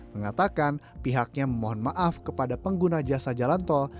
mengatakan pihaknya memohon maaf kepada pengguna jasa jalan tol